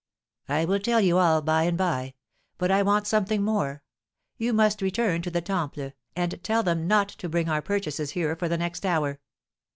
"I will tell you all by and by. But I want something more; you must return to the Temple, and tell them not to bring our purchases here for the next hour."